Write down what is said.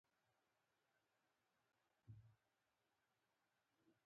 د کابل سیند د افغانستان د ځانګړي ډول جغرافیه استازیتوب کوي.